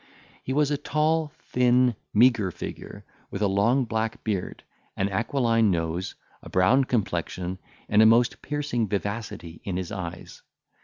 This was a tall, thin, meagre figure, with a long black beard, an aquiline nose, a brown complexion, and a most piercing vivacity in his eyes.